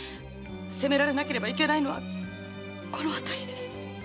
責められなければいけないのはこの私です。